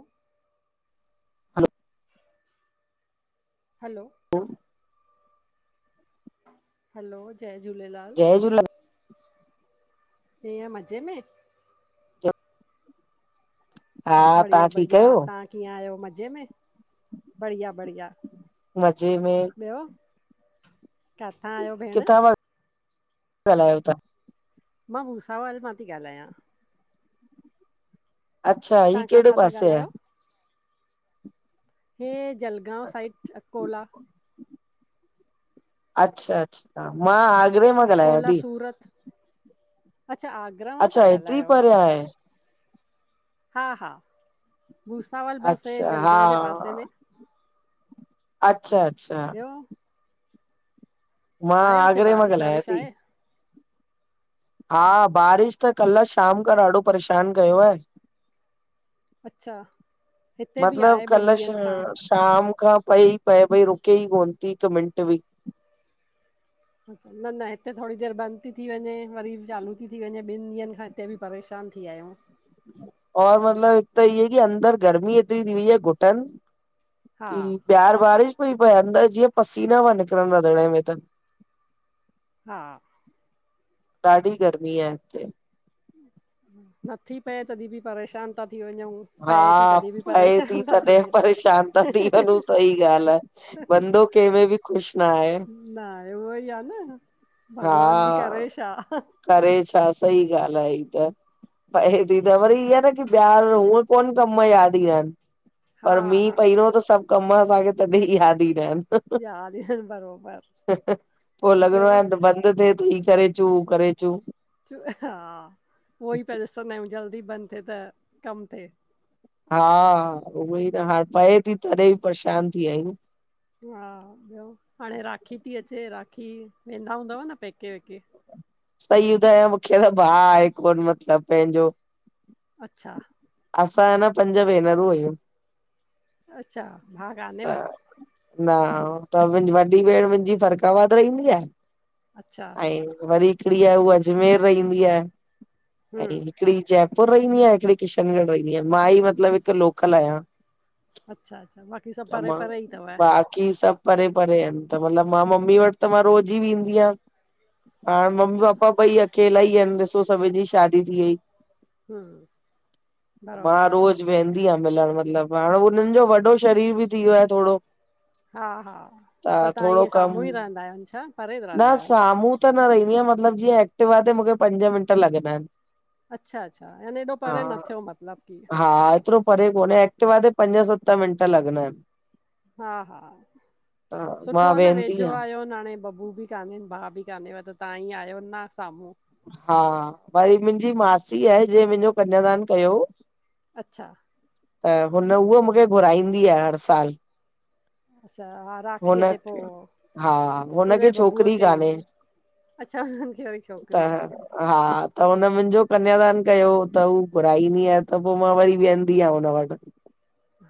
ह hello hello! हा hello! जय झूलेलाल। जय झूलेलाल कींअ मज़े में? हा तव्हां बढिया ठीकु बढ़िया आहियो तां कीअं आहियो मज़े में, बढ़िया बढ़िया, मज़े में ॿियो किथां आहियो भेण? किता पिया ॻाल्हायो तां? मां भुसावल मां थी ॻाल्हायां। अच्छा ही तां कहिड़े कांथा था पासे आहे ॻाल्हायो? हे जलगांव साइड अकोला अच्छा अच्छा, मां आ अकोला, सूरत, अच्छा आगरा मां था अच्छा हेतिरी ॻाल्हायो। परे आहे हा हा, भूसावल बस हे अच्छा जलगांव जे पासे में अचछा अच्छा। ॿियो मां आहे हुते आगरे मां बारिश ॻाल्हायां वारिश ती। आहे? हा बारिश त कल शाम खां ॾाढो परेशानु कयो आहे। अच्छा हिते बि मतलब आहे कल ॿिनि श ॾींहंनि खां शाम खां पए ई पए पई रुके ई कोन थी हिकु मिनट बि। न न हिते थोरी देरि बंदि ती थी वञे, वरी चालू ती थी वञे, ॿिन ॾींहंनि खां हिते बि परेशान थी वियायूं। और मतिलब हिक त इ कि अंदर गर्मी ऐतरी थी वई आहे घुटन हा की बाहर बारिश पई पऐ, अंदरि जीअं पसीना पिया निकिरनि रंधिणे में त हा। ॾाढी गर्मी आहे हिते। नथी पए तॾहिं बि परेशान। था थी वञूं हा पए थी तॾहिं बि पए ती परेशान था थी तदहिं वञूं परेशान ता थी वञूं, सही ॻाल्हि आ। बंदो केमे बि ख़ुश न आहे। न आहे, उहो ई आ न भॻवान बि हा, करे छा करे छा? सही ॻाल्हि आहे ई त। पऐ थी त वरी ईअं न की ॿार हूअ कोन कम यादि ईन्दा आहिन। हा पर मींहु हा परिंदे, त सभु कम असांखे तॾहिं यादि ईन्दा आहिन। याद ई आहिनि बरोबर पो लॻणो ॿियो आहे त बंद थिए त ई करेचू उ करेचु। हा, उहो ई पिया ॾिसंदा आहियूं जल्दी बंदि थिए त कमु थिए। हा, उहो ई न हाणे पए थी तॾहिं बि परेशान थी वियायूं। हा, ॿियो हाणे राखी थी अचे राखी वेंदा हूंदव न पैके वेके। सही ॿुधायां मूंखे त भाउ आहे कोन मतिलबु पंहिंजो अच्छा। असां न पंज भेनरूं आहियूं। अच्छा भा त कानेव? न, त मुंहिंजी वॾी भेण मुंहिंजी फ़रक़ाबाद रहंदी आहे। अचछा। वरी हिकड़ी आहे अजमेर रहंदी आहे, ऐं हम्म हिकड़ी जयपुर पुर रहंदी आहे, हिकिड़ी किशनगढ़ रहींदी आहे, मां ई मतलब हिक लोकल आहियां। अच्छा अच्छा, बाक़ी सभु परे परे ई अथव? कि सब परे- परे आहिन, त मतिलबु मां मम्मी वटि त मां रोज़ ई वेंंददी आहियां। हाणे मम्मी अच्छा पापा ॿई अकेला ई आहिन, ॾिसो सभिन जी शादी थी वई। हम्म मां बराबरि रोज़ वेंदी आहियां मिलण मतिलबु हाणे उननि जो वॾो शरीर बि थी वियो आहे थोङो। हा हा त तहां ईअं कम साम्हूं ई रहंदा आहियो छा, परे न रहंदा आहियो? साम्हूं न रहंदी आंयां मतिलबु जीअं ऐक्टिवा आहे त मूंखे पंज मिंट लॻंदा आहिन। अच्छा- अच्छा, याने हेॾो परे न थियो मतिलबु की। हा एतिरो परे कोन्हे, एक्टिवा ते पंज सत मिंट लॻंदा आहिन। हा हा त मां सुठो आ न, वेंदी वेझो आहियां आयोन हाणे बबू बि कान ए, भाउ बि कानहे त तव्हां ई आहियो न साम्हूं। हा, वरी मुंहिंजी मासी आहे जे मुंहिंजो कन्यादान कयो अच्छा! त हुन- उहो मूंखे घुराईंदी आ हर साल। अच्छा हा राखीअ ते पो हुनखे हा हुनजे हुनखे बबूअ छोकिरी खे कान्हे ई अच्छा त छोकिरी कान्हे हा, त हुन मुंहिंजो कन्यादान कयो हो, त हू घुराईंदी आ त पो मां वरी वेहंदी आहियां हुन वटि।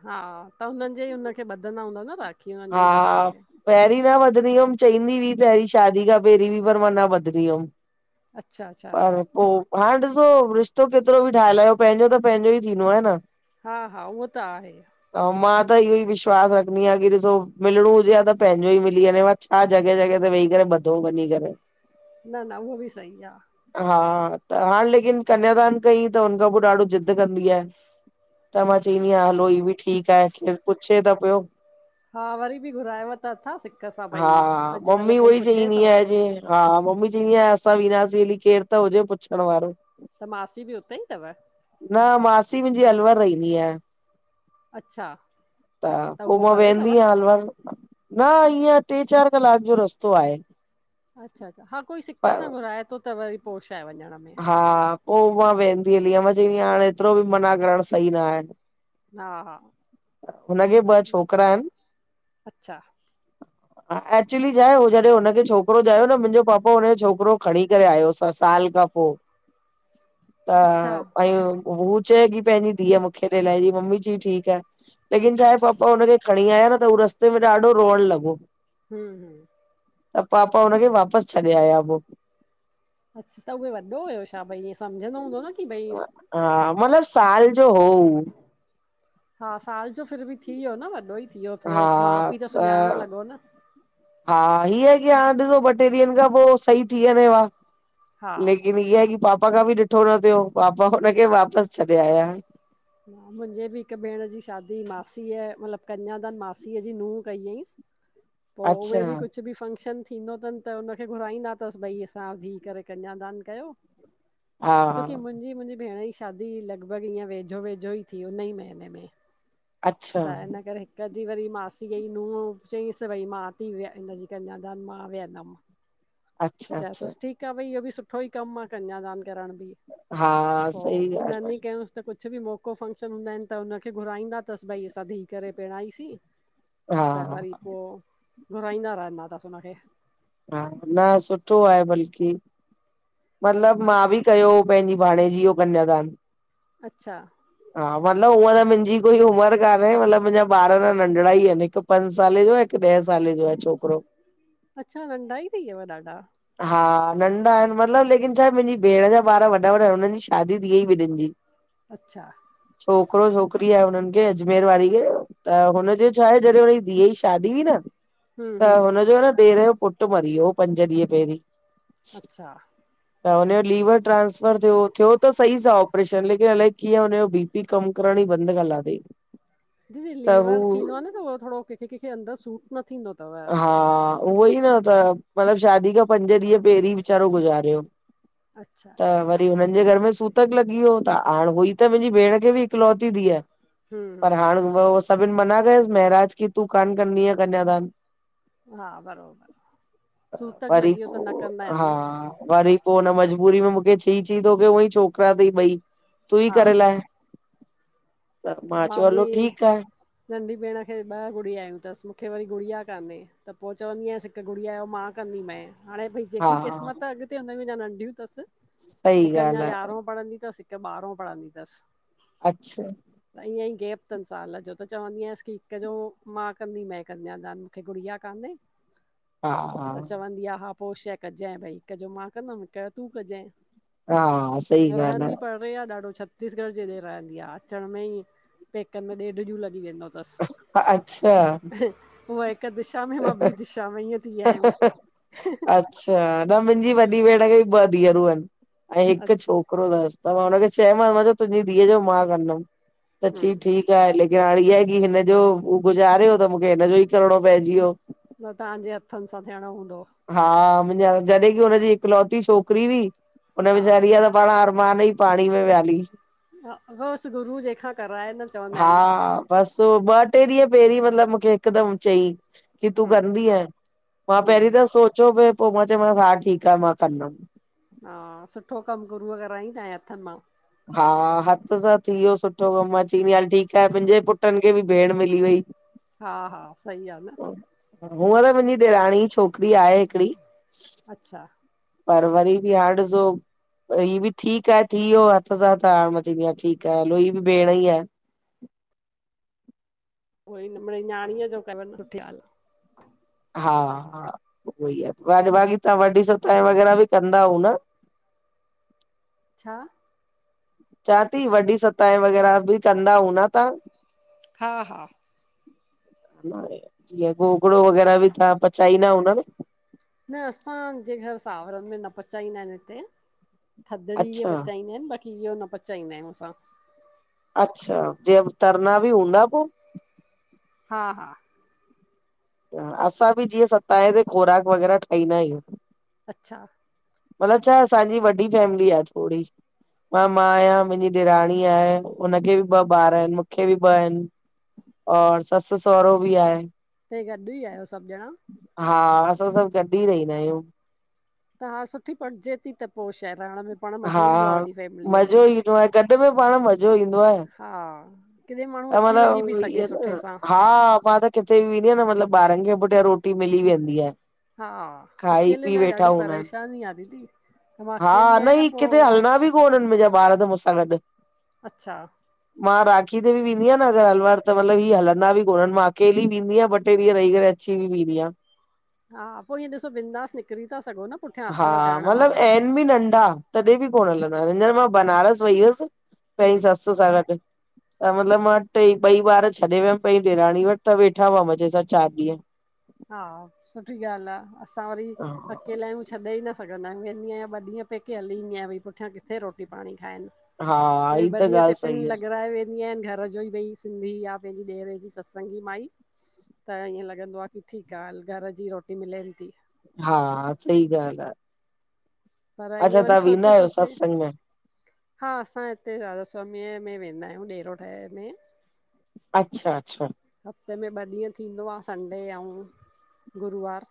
हा त हुननि जे ई हुनखे बधना हूंदा न राखी? हुननि जे हा ई बबूअ खे पहिरीं न वधंदी हुअम, चईंदी हुई पहिरीं, शादी खां पहिरीं बि हु, पर मां न वधंदी हुअम। अच्छा- अच्छा! पो हाणे ॾिसो रिश्तो केतिरो बि ठाहे लाहियो, पंहिंजो त पंहिंजो ई थींदो आहे न। हा हा, उहो त आहे। त हु मां त इहो ई विश्वास रखंदी आंयां कि मिलणो हुजे आ त पंहिंजो ई मिली वञे आं, छा जॻह जॻह ते वेही करे ॿधो वंञी करे। न न, उहो बि सही आ। हा त हाणे लेकिन कन्यादान क‌ईं त हुनखां पो ॾाढो ज़ि कंदी आहे, त मां चवंदी आहियां हलो ई बि ठीकु आहे, केरु पुछे त पियो। हा वरी बि घुरायव त अथाव सिक सां हा भई, अॼुकल्ह मम्मी कोई उहोई पुछे चईंदी थो! आहे जे हा मम्मी च‌ईन्दी आ, असां वेन्दासे हली केर त हुजे पुछण वारो। त मासी बि उते ई थव? न मासी मुंहिंजी अलवर रहंदी आहे। अच्छा, त उह पो वेंदी आहियां अलवर, न ईंअ टे‌ चार कलाक जो रस्तो आहे। अच्छा अच्छा, हा कोई सिक पर सां घुराए थो त वरी पो छा आहे वञण में! हा पो मां वेंदी हली आयां, मां चईंदी आं हाणे एतिरो बि मना करण सही न आहे। हा हा हुनखे ॿ छोकिरा आहिनि अच्छा हा एक्चुली छा आहे, हो ज़ॾहिं हुनखे छोकिरो ॼायो न मुंहिंजो पापा हुनजो छोकिरो खणी करे आयोस साल खां पो त अच्छा पयूं पो हू चए कि पंहिंजी धीअ मुंखे ॾई लाइज़‌ईं त मम्मी चय‌ईं ठीकु आहे। लेकिन छा आहे पपा हुनखे खणी आया न त हू रस्ते में ॾाढो रोअण लॻो। हम्म। त पापा हुनखे वापसि छॾे आया पो। अच्छा त उहो वॾो हुयो छा भई, ईअं समझंदो हूंदो न। की भई हा मतिलब साल जो हो हूअ। हा साल जो फिर बि थी वियो न वॾो ई थीहो थोरो हा माउ पीउ त सुञाण लॻो न। हा हीअ की हा ॾिसो ॿ टे ॾींहंनि खां पो सही थी वञेंव आ। हा लेकिन इअ आहे की पापा खां बि ॾिठो न थियो पापा हुनखे वापसि छॾे आया। मुंहिंजे बि हिक भेण जी शादी मासीअ मतिलबु कन्यादान मासीअ जी नूंंह कई हुईसि। [inaudible] पो उहे बि कुझु बि फंक्शन थींदो अथनि त हुनखे घुराईंदा अथसि भई असां धीअ करे कन्यादान कयो हा छोकि मुंहिंजी मुंहिंजी भेण जी शादी लॻभॻ ईअं वेझ वेझो वेझो ई थी हुई हुन ई महीने में अच्छा त इन करे तदहिं वरी मासीअ ज़ी नूंह चयईंसि त भई मां थी विया हिननजी कंयादान मां वेहंदमि। अच्छा असां अच्छा चयसि ठीकु आ भई इहो बि सुठो ई कमु आ कन्यादान करण बि हा पोइ सही ॻाल्हि उनन ही आहे कय‌ऊंस त कुझु कुझु बि मौक़ो फंक्शन हूंदा आहिनि त हुनखे घुराईंदा अथसि भई असां धीअ करे पहिरणाईसीं हा त वरी पोइ घुराईंदा रहंदा अथसि हुनखे हा न सुठो आहे बल्कि। मतिलब मां बि कयो हो पंहिंजी भाणे जी ज़ो कन्यादान। अच्छा। हा मतिलबु हुअ त मुंहिंजी कोई उमरि कान्हे मतिलबु मुंहिंजा ॿार त नंढिड़ा ई आहिनि हिकु पंज साले जो आ, हिकु ॾहे साले जो आ छोकरो। अच्छा नंढा ई थी वयव ॾाढा। हा नंढा आहिनि मतिलबु लेकिन छाहे मुंहिंजी भेण जा ॿार वॾा वॾा आहिन हुननि जी शादी थी वई ॿिनहिनि जी। अच्छा। छोकिरो छोकिरी आहे हुननि खे अजमेर वारी खे त हुनजो छा आहे जॾहिं हुनजी धीअ जी शादी हुई न हम्म त हम्म हुनजो न ॾेर जो पुटु पुट मरी वियो पंज ॾींहं पहिरीं। अच्छा। त हुनजो लीवर ट्रांसफर थियो, थियो त सही सां ऑपरेशन लेकि कि अलाए कींअ हुनज़ो बी पी कम करण ई बंद करे लाथयीं। दीदी लीवर थींदो आ न त उहो थोरो कंहिंखे कंहिंखे अंदरु सूट न थींदो थव। हा उहो ई न त मतिलबु शादी खां पंज ॾींहं पहिरीं विचारो गुज़ारे वयो अच्छा त व री हुननि जे घर में सूतक लॻी वियो, त हाण हुई त मुंहिंजी भेण खे बि इकलौती धिअ हम्म पर हाणे हम्म उ सभिनि मना कयसि महिराज की तूं कान कन्दिअ कन्यादान हा बरोबरि, सूतक वरी लॻी वियो त न पो कंदा हा आहिनि न। वरी पोइ हुन मजबूरी में मूंखे च चई कि तोखे उअई छोकिरा तई ॿई, तू ई हा करे लाए त मां चयो बि हलो ठीकु आहे नंढी भेण खे ॿ गुड़िया आहिन, त मूंखे वरी गुड़िया कान्हे त पो चवंदी आयंसि हिकु गुड़िया जो मां कंदी मएं। हाणे भई हा जेकी क़िस्मत अॻिते हुन अञा नंढियूं तस, सही हिकु ॻाल्हि अञा आहे यारहों पढ़ंदी तस हिक बारों पढ़दि तस। अच्छा त ईअंई गैप तनि साल जो त चवंदी आयसि की हिक जो मां कंदी मए कन्यादान मूंखे गुड़िया कान्हे। [inaudible] हा त चवंदी आ हा पो शाऐ कजाइ भई हिक जो मां कंदमि हिकु जो तूं हा सही कजाए ॻाल्हि रहंदी परे आहे ॾाढो छत्तीसगढ़ जे हेॾे रहंदी आहे। अचण में ईं पेकनि में ॾेढ ॾींहं लॻी वेंदो तस। आहे अच्छा हिकु दिशा में मां ॿी दिशा में ईअं थी आहिया आहियूं। अच्छा न मुंहिंजी वॾी भेण खे ॿ धीअरूं आहिनि। ऐं हिकु छोक अच्छा छोकिरो अथसि। त मां हुनखे चयोमांसि मां चयो तुंहिंजी धीअ जो मा कंदमि। त हूं चयईं ठीकु आहे। लेकिन हाणे हिअ आए कि हिनजो गुज़ारेियो त मूंखे हिनजो ई करिणो पइजी वियो। न तव्हांजे हथनि सां थियणो हूंदो। हा मुंहिंजे हथि, जॾहिं कि हुन जी हिकुलौती छोकरी हुई। उन हा वेचारी जा त पणा अरमान ई पाणीअ में विया हली। हा बसि गुरु जहिंखा कराए न। चवंदा हा आहिनि बसि ॿ टे ॾींहं पहिरीं मतिलबु मूंखे हिकदमि चयईं कि तूं हूं कंदीअ? मां हूं पहिरीं त सोच चओ पिया पोइ मां चयोमांसि हा ठीकु आ मां कंदमि। हा सुठो कमु गुरूअ कराईं तव्हांजे हथनि मां। हा हथि सां थी वियो सुठो कमु। मां चईंदी आ हल ठीकु आहे मुंहिंजे पुटनि खे बि भेण मिली वई। हा, हा सही आ न। हुअं त मुंहिंजी ॾेराणी जी छोकिरी आहे हिकिड़ी अच्छा पर वरी बि हाणे ॾिसो ही बि ठीकु आहे थी वियो हथि सां त मां चवंदी आहियां ठीकु आहे हे बि भेण ई आहे। उहो ई मे मिड़ई न्याणीअ जो करण सुठी ॻाल्हि आ। हा हा उहो ई आहे। बाक़ी तव्हां वॾी सताय वग़ैरह भी कंदा हुंदा? आहे छा? चवां ती वॾी सताए वग़ैरह बि कंदा हुंदा तां? हा हा जीअं गोगड़ो वगैरह बि तां पचाईंदा हुदव न? न असांजे घर सावरनि में न पचाईंदा आहिनि हिते। थदड़ी इहे अच्छा पचाईंदा आहिनि बाक़ी इहो न पचाईंदा आहियूं असां। अच्छा जिएं तरंदा बि हूंदा पो? हा, हा। असां बि जीअं सताए ते खोराक वग़ैरह ठाहींदा आहियूं। अच्छा। मतिलबु छाए असांजी वॾी फैमिली आ थोड़ी। मां मां आहियां मुंहिंजी ॾेराणी आहे हुनखे बि ॿ ॿार आहिनि मूंखे बि ॿ आहिनि। और ससु सहुरो बि आहे। त गॾु ई आहियो सभु ॼणा? हा, असां सभु गॾु ई रहिंदा आहियूं। त हा सुठी पटजे ती त पोइ छाए रहिण में पाण हा मज़ो ईंदो आहे वॾी फैमिलीअ मज़ो में। ईंदो आहे गॾु में पाण मज़ो ईंदो आहे हा, किॾे माण्हू त अची वञी बि मतलब सघे ईअं सुठे न सां। हा मां त किथे बि वेंदी न मतलबु ॿारनि खे पुठियां रोटी मिली वेंदी आहे। हा, खाई अकेले पी लाइ वेठा ॾाढी हूंदा आहिनि परेशानी आहे दीदी। अऊं मां हा अकेली आहियां न। ही किथे पोइ हलदा बि कोन हिनि मुंहिंजा ॿार त मुसां गॾु। अच्छा मां राखी ते बि वेंदी आहियां न अगर अलवर त मतलब हिअ हलंदा बि कोन्हनि मां अकेली वेंदी आहियां ॿ टे ॾींहं रही करे अची अची वेंदी आ। हा पोइ इअं ॾिसो बिंदास निकिरी था सघो न। पुठियां हा अथव करण मतिलब वारा एन बि नंढा तॾहिं बि कोन हलंदा आहि न मां बनारस वई हुअसि हूं पंहिंजी ससु सां गॾु। त मतिलबु मां टे ॿई ॿार छॾे वियमि बई ॾेराणी वटि त वेठा हुआ मज़े सां चारि ॾींहं। हा। सुठी ॻाल्हि आ, असां वरी अकेला आयु। छॾे न सघंदा आहियू। वेंदी आहियां ॿॾींह पेके हलीं ईन्दी आहियां। भई पुठियाँ किथे रोटी पाणी खाइनि। हा हे ई त ॿ ॾिय ॻाल्हि टिफिन सही आ, लॻराए घर जो ई भई सिंधी या पंहिंजी ॾेर जी सत्संगी माई। त ईअं लॻंदो आहे की ठीकु आहे हल घर जी रोटी मिलेन ती। हा। सही ॻाल्हि आ। पर अच्छा ईअं वरी तव्हां वेंदा सोचे, आहियो सोचे। सत्संग में, हा। असां हिते राध स्वामीअ में वेंदा आहियूं डेरोठ में। अच्छा, अच्छा। हफ़्ते में ॿ ॾींहं थींदो आ संडे अऊ गुरुवार।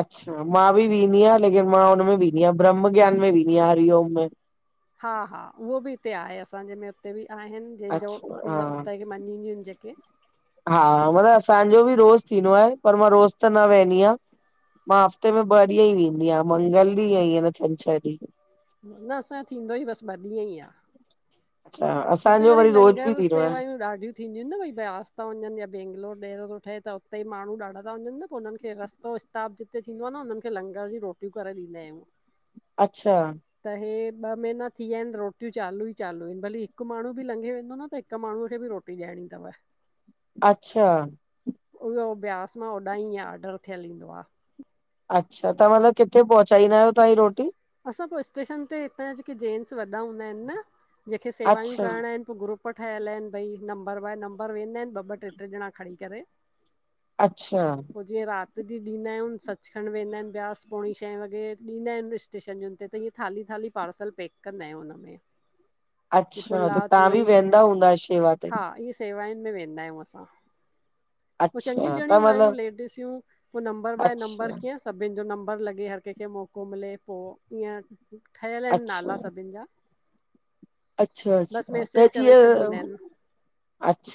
अच्छा, मां बि वेंदी आहियां लेकिन मां हुन में वेंदी आहियां ब्रह्म ज्ञान में वेंदी आहियां हरिओम में। हा। हा। उहो बि हिते आहे। असांजे में उते बि आहिनि। जंहिंजो अच्छा हा हूंदो उतां खे मञींदियूं आहिनि जेके। हा मतिलब असांजो बि रोज़ थींदो आहे। पर मां रोज़ त न वहदी आहिया। मां। हफ़्ते में ॿ ॾींहं ई वेंदी आहियां मंगल ॾींहं ऐ ई छंनछर ॾींहं। न असांजो थींदो ई बसि ॿ ॾींहं ई आ। अच्छा असां असांजो वरी रोज़ बि लंगर थींदो आहे, सेवायूं ॾाढियूं थींदियूं आहिनि न भई ब्यास था। वञनि या बैेंंगलोर ॾेरो थो ठहे त उते माण्हू ॾाढा था वञनि। पोइ उननि खे रस्तो किताब जिते थींदो आ न हुन्हनि खे लंगर जी रोटियूं करे ॾींदा आहिन। अच्छा? त हे ॿ महीना थी विया आहिनि रोटियूं चालू ई चालू आहिनि भली हिकु माण्हू बि लंघे वेंदो न त हिकु माण्हूअ खे बि रोटी ॾियणी तव। अच्छा। उहो ब्यास मां होॾां ई ऑडर थियलु ईंदो आह। अच्छा। त मतलब किथे पहुचाईदा आहियो तव्हां इय रोटी? असां पोइ स्टेशन ते हितां जा जेके जेन्स वॾा हूंदा आहिनि न, जेंखे सेवायू अच्छा करणा आहिनि। त ग्रूप ठहियल आहिनि भई नंबर वन नंबर वेंदा आहिनि ॿ ॿ ट्रेट्रे ॼणा खणी करे। अच्छा। पोइ जीअं राति जी ॾींदा आहियूं सचछण वेंदा आहिनि ब्यास पोणी छहें वॾे ॾींदा आहिनि स्टेशन जुनि ते त इअं थाली थाली पार्सल पकंदा आहियूं हुनमें। अच्छा त। तव्हां बि वेंदा हूंदा शेवा ते? सेवायनि में वेंदा आहियूं असां, पोइ चॻियूं अच्छा त ॼणियूं आहियूं मतलब लेट ॾिसियूं पोइ नंबर बाए नंबर अच्छा कीअं सभिनि जो नंबर लॻे हर कंहिंखे मौको मिले। पोइ ईअं ठहियल आहिनि अच्छा नाला सभिनि जा। अच्छा। बसि अच्छा। त मैसेज करे जीअं छॾींदा आहिनि अच्छा।